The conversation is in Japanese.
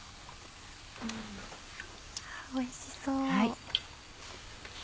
おいしそう。